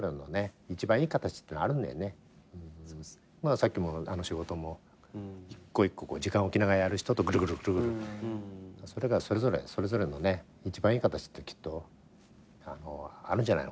さっきも仕事も一個一個時間置きながらやる人とぐるぐるぐるぐるそれがそれぞれのね一番いい形ってきっとあるんじゃないのかな。